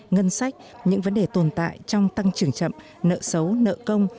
ngân sách những vấn đề tồn tại trong tăng trưởng chậm nợ xấu nợ công